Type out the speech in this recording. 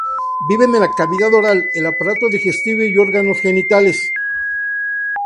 Viven en la cavidad oral, el aparato digestivo y órganos genitales.